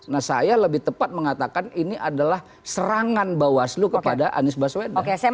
nah saya lebih tepat mengatakan ini adalah serangan bawaslu kepada anies baswedan